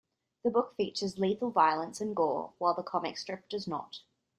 The book features lethal violence and gore, while the comic strip does not.